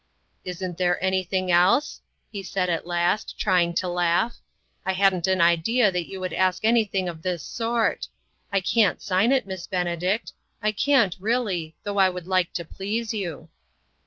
"Isn't there anything else?" he said, at last, trying to laugh. " I hadn't an idea that you would ask anything of this sort. I can't sign it, Miss Benedict; I can't really, though I would like to please you."